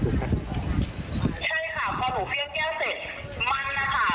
หนูก็เลยเดินไปพอหนูเดินไปก็ต้องมีเสียงที่หนูกับมันคุยกันหน่อยพี่